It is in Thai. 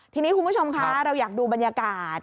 ทีนี้คุณผู้ชมคะเราอยากดูบรรยากาศ